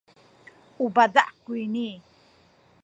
u paza’ kuyni.